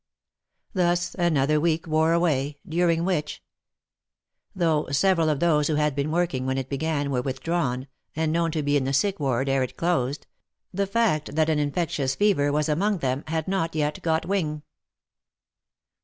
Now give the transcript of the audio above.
Thus another week wore away, during which, though several of those who had been working when it began were withdrawn, and known to be in the sick ward ere it closed, the fact that an infectious fever was among them had not yet got wing.